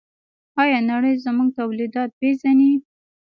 آیا نړۍ زموږ تولیدات پیژني؟